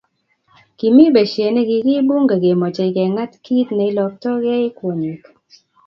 kimi besie ne kikiip bunge kemochei keng'at kiit neiloktogei kwonyik